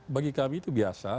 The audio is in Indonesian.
bagi kami itu biasa